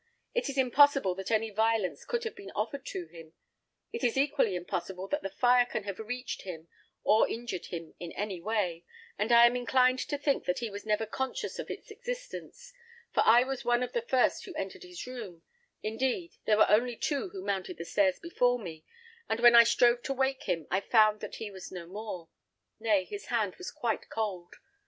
It is impossible that any violence could have been offered to him; it is equally impossible that the fire can have reached him or injured him in any way; and I am inclined to think that he was never conscious of its existence, for I was one of the first who entered his room; indeed, there were only two who mounted the stairs before me; and when I strove to wake him I found that he was no more; nay, his hand was quite cold.